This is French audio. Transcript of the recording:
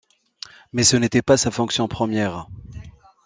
Mais ce n'était pas sa fonction première.